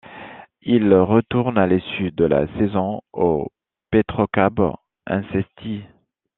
Il retourne à l'issue de la saison au Petrocub Hîncești.